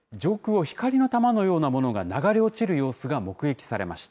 昨夜、関東や近畿などで上空を光の球のようなものが流れ落ちる様子が目撃されました。